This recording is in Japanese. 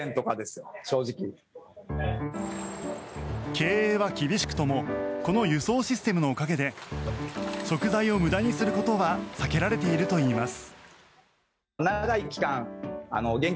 経営は厳しくともこの輸送システムのおかげで食材を無駄にすることは避けられているといいます。